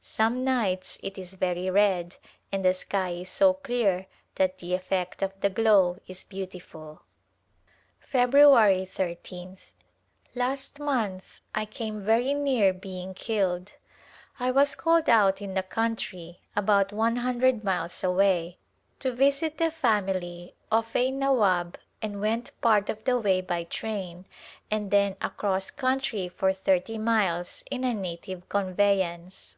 Some nights it is very red and the sky is so clear that the effect of the glow is beautiful. February Ijth. Last month I came very near being killed. I was called out in the country, about one hundred miles [•51] A Glimpse of India away, to visit the family of a Nawab and went part of the way by train and then across country for thirty miles in a native conveyance.